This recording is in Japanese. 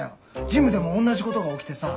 ジムでも同じことが起きてさ。